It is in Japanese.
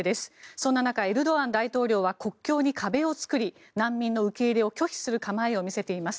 そんな中、エルドアン大統領は国境に壁を造り難民の受け入れを拒否する構えを見せちえます。